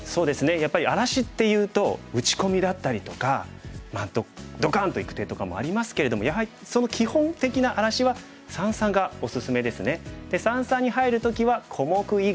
やっぱり荒らしっていうと打ち込みだったりとかドカンといく手とかもありますけれどもやはりそので三々に入る時は小目以外。